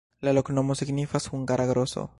La loknomo signifas: hungara-groso.